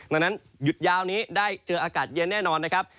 ดังนั้นหยุดยาวนี้ได้เจออากาศเย็นแน่นอนนะครับ